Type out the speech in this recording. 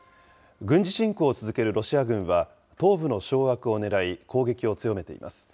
軍事侵攻を続けるロシア軍は、東部の掌握をねらい、攻撃を強めています。